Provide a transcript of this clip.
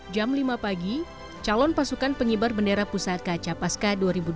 jam lima pagi calon pasukan pengibar bendera pusat kaca pasca dua ribu dua puluh dua